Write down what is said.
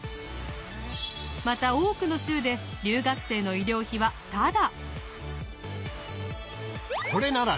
また多くの州で留学生の医療費はタダ！